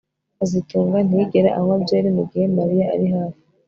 kazitunga ntiyigera anywa byeri mugihe Mariya ari hafi